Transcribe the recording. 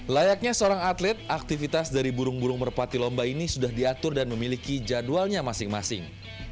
layaknya seorang atlet aktivitas dari burung burung merpati lomba ini sudah diatur dan memiliki jadwalnya masing masing